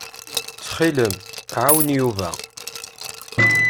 Ttxil-m, ɛawen Yuba.